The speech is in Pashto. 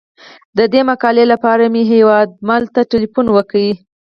د دې مقالې لپاره مې هیوادمل ته تیلفون وکړ.